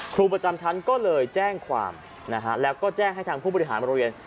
ครูประจำชั้นก็เลยแจ้งความนะฮะแล้วก็แจ้งให้ทางผู้บริหารโรงเรียน